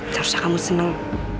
tidak usah kamu senang